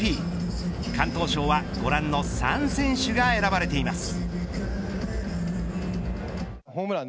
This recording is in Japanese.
敢闘賞はご覧の３選手が選ばれています。